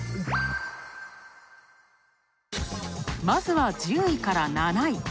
まずは１０位から７位。